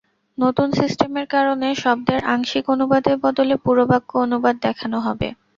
নতুন সিস্টেমের কারণে শব্দের আংশিক অনুবাদের বদলে পুরো বাক্য অনুবাদ দেখানো হবে।